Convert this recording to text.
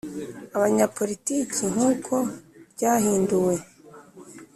Abanyapolitiki nk uko ryahinduwe